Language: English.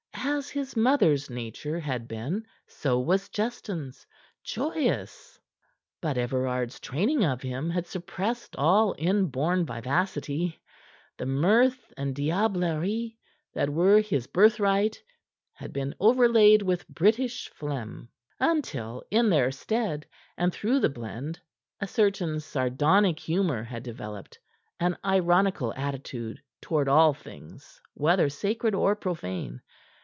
As his mother's nature had been, so was Justin's joyous. But Everard's training of him had suppressed all inborn vivacity. The mirth and diablerie that were his birthright had been overlaid with British phlegm, until in their stead, and through the blend, a certain sardonic humor had developed, an ironical attitude toward all things whether sacred or profane.